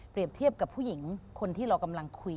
เทียบกับผู้หญิงคนที่เรากำลังคุย